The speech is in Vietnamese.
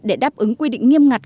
để đáp ứng quy định nghiêm ngặt